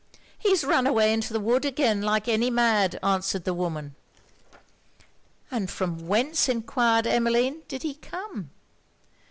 'He's run away into the wood again like any mad,' answered the woman. 'And from whence,' enquired Emmeline, 'did he come?'